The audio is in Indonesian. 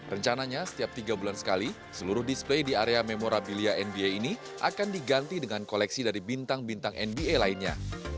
rencananya setiap tiga bulan sekali seluruh display di area memorabilia nba ini akan diganti dengan koleksi dari bintang bintang nba lainnya